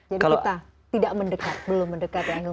jadi kita tidak mendekat belum mendekat ya